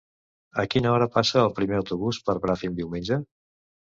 A quina hora passa el primer autobús per Bràfim diumenge?